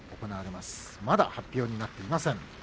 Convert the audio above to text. まだ発表になっていません。